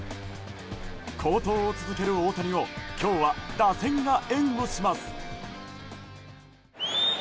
好投を続ける大谷を今日は打線が援護します。